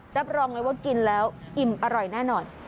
รับรองเลยว่ากินแล้วอิ่มอร่อยแน่นอน